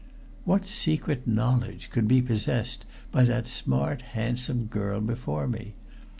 What secret knowledge could be possessed by that smart, handsome girl before me?